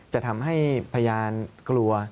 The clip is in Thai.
จะทำให้พยานกลัว